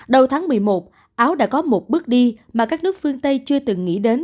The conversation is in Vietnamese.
đầu tháng một mươi một áo đã có một bước đi mà các nước phương tây chưa từng nghĩ đến